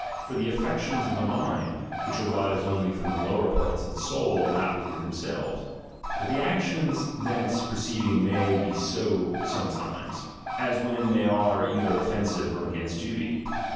For the affec tions of the mind, which arise only from the lower parts of the soul, are not wicked themselves ; but the actions thence proceeding may be so some times, as when they are either offensive or against duty.